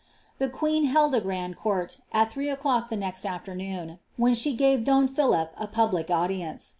, The queen held a tcrand court, at three o'clock the next aflernooo, when she gave doji I'hdip a public audience.